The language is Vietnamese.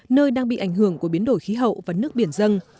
nơi đang bị ảnh hưởng của biến đổi khí hậu và nước biển dân